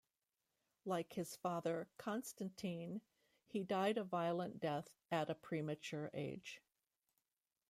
Like his father, Constantine, he died a violent death at a premature age.